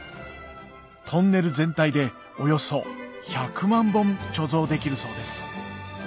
トンネル全体でおよそ１００万本貯蔵できるそうです